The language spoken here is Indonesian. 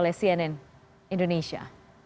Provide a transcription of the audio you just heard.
dilihat oleh cnn indonesia